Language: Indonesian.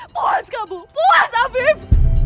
puas kamu puas afif